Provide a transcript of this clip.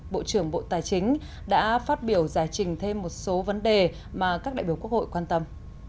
bộ trưởng bộ tài chính đã phát biểu giải trình thêm một số vấn đề mà các đại biểu quốc hội quan tâm